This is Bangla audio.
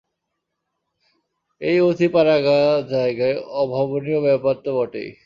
এই অতি পাড়াগাঁ জায়গায় অভাবনীয় ব্যাপার তো বটেই।